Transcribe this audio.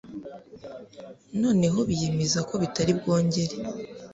Noneho biyemeza ko bitari bwongere.